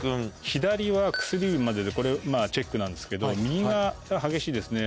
左は薬指まででこれチェックなんですけど右が激しいですね。